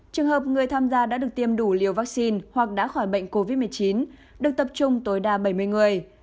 trường hợp người tham gia đã được tiêm đủ liều vaccine hoặc đã khỏi bệnh covid một mươi chín được tập trung tối đa bảy mươi người